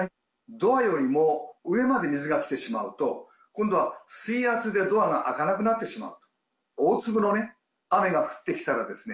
ドアよりも上まで水が来てしまうと、今度は水圧でドアが開かなくなってしまう。